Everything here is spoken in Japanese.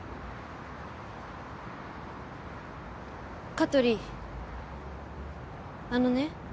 香取あのね。